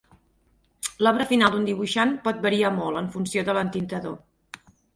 L'obra final d'un dibuixant pot variar molt en funció de l'entintador.